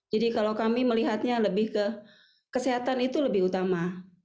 jadi kalau kami melihatnya lebih ke kesehatan itu lebih utama